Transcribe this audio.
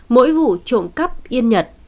mỗi vụ trộm cắp yên nhật